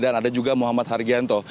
dan ada juga muhammad hargianto